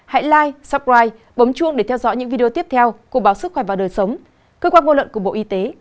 hãy live suppride bấm chuông để theo dõi những video tiếp theo của báo sức khỏe và đời sống cơ quan ngôn luận của bộ y tế